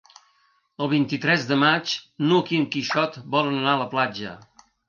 El vint-i-tres de maig n'Hug i en Quixot volen anar a la platja.